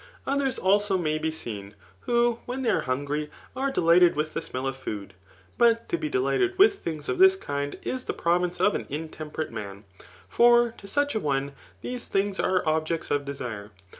Others also may be seen, who when they are hungry are delighted with the smell of food ; but to be delighted with things of this kind is the province of an intemperate man } for to such a one these things ?u:e objects of desire.